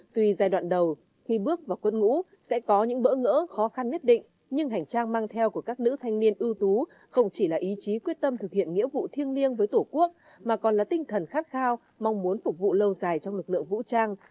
tuy giai đoạn đầu khi bước vào quân ngũ sẽ có những bỡ ngỡ khó khăn nhất định nhưng hành trang mang theo của các nữ thanh niên ưu tú không chỉ là ý chí quyết tâm thực hiện nghĩa vụ thiêng liêng với tổ quốc mà còn là tinh thần khát khao mong muốn phục vụ lâu dài trong lực lượng vũ trang